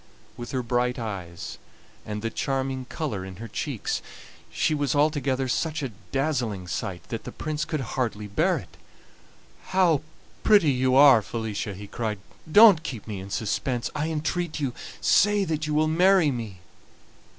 With her bright eyes, and the charming color in her cheeks, she was altogether such a dazzling sight that the Prince could hardly bear it. "How pretty you are, Felicia!" he cried. "Don't keep me in suspense, I entreat you; say that you will marry me."